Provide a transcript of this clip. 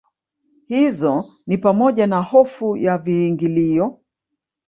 hizo ni pamoja na hofu ya viingilio